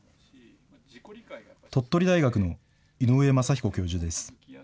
鳥取大学の井上雅彦教授です。